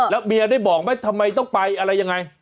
แล้วเมียได้บอกไหมทำไมต้องไปอะไรยังไง